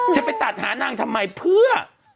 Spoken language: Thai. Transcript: จะไปตัดหานางทำไมเพื่อ